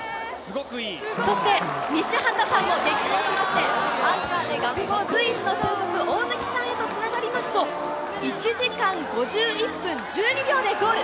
そして西畑さんも激走しまして、アンカーで学校随一の俊足、おおぬきさんへとつながりますと、１時間５１分１２秒でゴール。